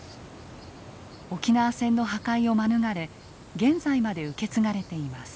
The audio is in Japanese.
沖縄戦の破壊を免れ現在まで受け継がれています。